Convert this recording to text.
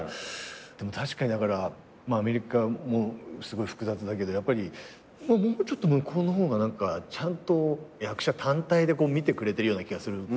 確かにアメリカもすごい複雑だけどやっぱりもうちょっと向こうの方が何かちゃんと役者単体で見てくれてるような気がするから。